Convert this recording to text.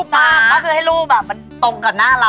มันคือให้รูปตรงกับหน้าเรา